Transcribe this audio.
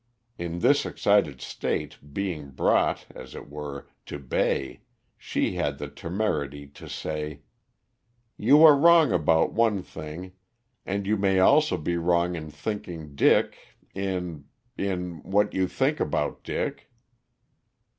In this excited state, being brought, as it were, to bay, she had the temerity to say "You are wrong about one thing, and you may also be wrong in thinking Dick in in what you think about Dick."